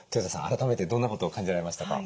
改めてどんなことを感じられましたか？